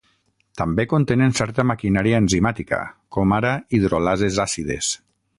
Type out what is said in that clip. També contenen certa maquinària enzimàtica, com ara hidrolases àcides.